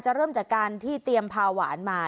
เริ่มจากการที่เตรียมพาหวานมา